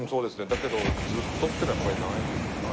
だけどずっとっていうのはやっぱりないかな。